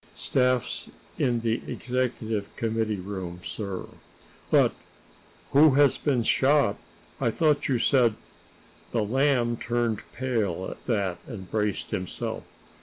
Staff's in the executive committee room, sir." "But who has been shot? I thought you said " The Lamb turned pale at that, and braced himself.